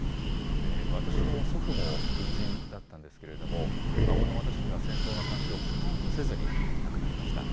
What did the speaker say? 私の祖父も軍人だったんですけれども、孫の私には戦争の話をほとんどせずに亡くなりました。